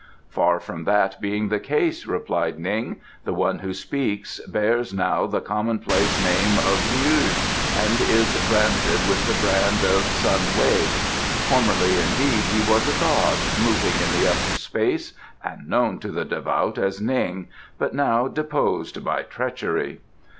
"Far from that being the case," replied Ning, "the one who speaks bears now the commonplace name of Lieu, and is branded with the brand of Sun Wei. Formerly, indeed, he was a god, moving in the Upper Space and known to the devout as Ning, but now deposed by treachery."